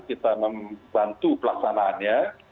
kita membantu pelaksanaannya